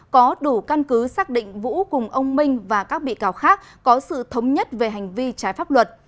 có đủ căn cứ xác định vũ cùng ông minh và các bị cáo khác có sự thống nhất về hành vi trái pháp luật